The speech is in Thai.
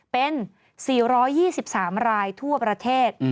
เป็น๔๒๓รายทั่วประเทศ